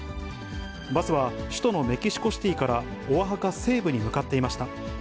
バスは首都のメキシコシティーからオアハカ西部に向かっていました。